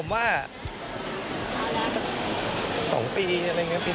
จะยังมีรู้บ้างไหมครับ